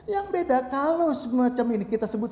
yang beda kalau semacam ini kita sebut